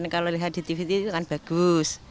kalau lihat di tv itu kan bagus